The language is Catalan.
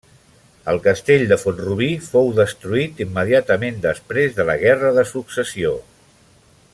El castell de Font-rubí fou destruït immediatament després de la Guerra de Successió.